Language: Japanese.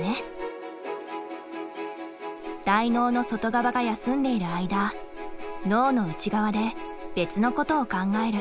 大脳の外側が休んでいる間脳の内側で別のことを考える。